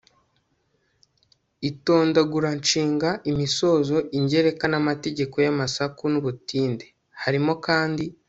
itondaguranshinga, imisozo, ingereka, n'amategeko y'amasaku n'ubutinde. harimo kandi